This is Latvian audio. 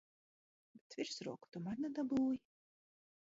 Bet virsroku tomēr nedabūji.